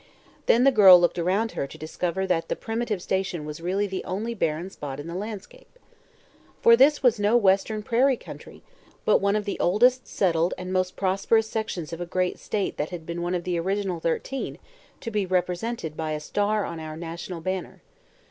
Then the girl looked around her to discover that the primitive station was really the only barren spot in the landscape. For this was no Western prairie country, but one of the oldest settled and most prosperous sections of a great state that had been one of the original thirteen to be represented by a star on our national banner.